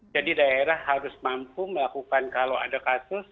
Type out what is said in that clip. jadi daerah harus mampu melakukan kalau ada kasus